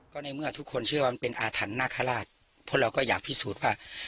ก็ในเมื่อทุกคนเชื่อว่ามันเป็นอาถรรพ์นาคาราชเพราะเราก็อยากพิสูจน์ว่า